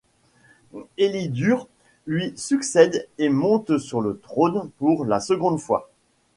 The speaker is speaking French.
Elidur lui succède et monte sur le trône pour la seconde fois.